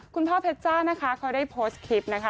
คุณพ่อเพชรจ้านะคะเขาได้โพสต์คลิปนะคะ